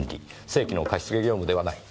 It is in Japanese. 正規の貸し付け業務ではない。